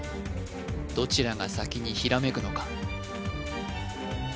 どちらが先にひらめくのか？